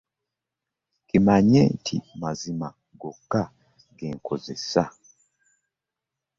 Kimanye nti mazima gokka ge nkozesa.